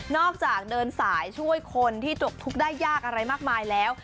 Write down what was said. จากเดินสายช่วยคนที่จบทุกข์ได้ยากอะไรมากมายแล้ว